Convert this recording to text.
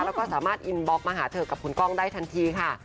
แล้วก็สามารถอินบล็อกมาหาเธอกับคุณก้องได้ทันทีค่ะ